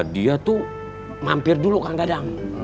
dia tuh mampir dulu kang dadang